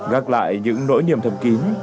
gác lại những nỗi niềm thầm kín